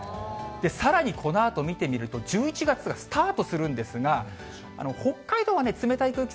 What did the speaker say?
さらにこのあと見てみると、１１月がスタートするんですが、北海道はね、冷たい空気